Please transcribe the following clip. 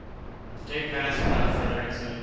] The day passed without further incident.